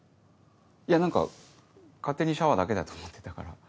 いや何か勝手にシャワーだけだと思ってたから。